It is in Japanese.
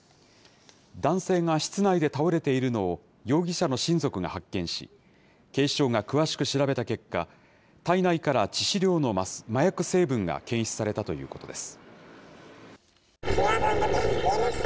男性が室内で倒れているのを、容疑者の親族が発見し、警視庁が詳しく調べた結果、体内から致死量の麻薬成分が検出されたということです。